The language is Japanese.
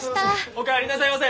お帰りなさいませ！